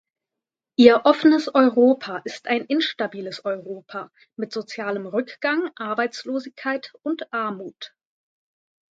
Ihr offenes Europa ist ein instabiles Europa mit sozialem Rückgang, Arbeitslosigkeit und Armut.